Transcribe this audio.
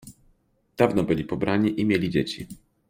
Dawno byli pobrani i mieli dzieci.